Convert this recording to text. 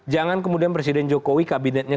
jangan kemudian presiden jokowi kabinetnya